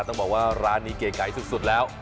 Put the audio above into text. ต้องบอกว่าร้านนี้เก๋ไก่สุดแล้ว